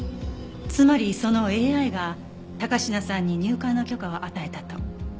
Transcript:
つまりそのＡＩが高階さんに入館の許可を与えたと。